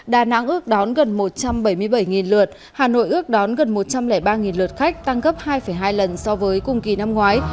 đà nẵng ước đón gần một trăm bảy mươi bảy lượt hà nội ước đón gần một trăm linh ba lượt khách tăng gấp hai hai lần so với cùng kỳ năm ngoái